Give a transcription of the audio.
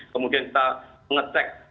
kemudian kita mengecek